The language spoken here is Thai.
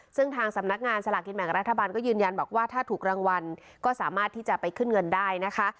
ซึ่งทางสำนักงานสลากกินแบ่งรัฐบาลก็ยืนยันบอกว่าถ้าถูกรางวัลก็สามารถที่จะไปขึ้นเงินได้นะคะ